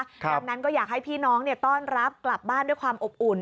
ดังนั้นก็อยากให้พี่น้องต้อนรับกลับบ้านด้วยความอบอุ่น